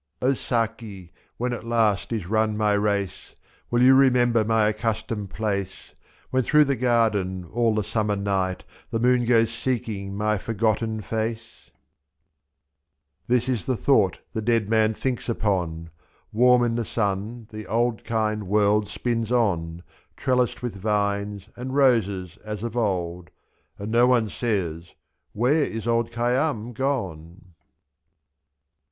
99 O Saki, when at last is run my race. Will you remember my accustomed place, IS J* When through the garden all the summer night The moon goes seeking my forgotten face ? This is the thought the dead man thinks upon: Warm in the sun the old kind world spins on, 2f^.Trellised with vines and roses as of old. And no one says — "Where is old Khayyam gone?"